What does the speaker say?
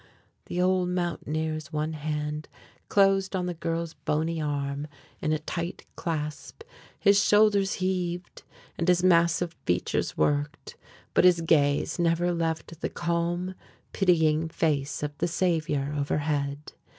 The old mountaineer's one hand closed on the girl's bony arm in a tight clasp, his shoulders heaved, and his massive features worked, but his gaze never left the calm, pitying face of the Saviour overhead.